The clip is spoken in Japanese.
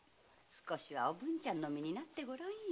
おぶんちゃんの身になってごらん。